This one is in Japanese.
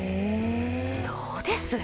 どうです？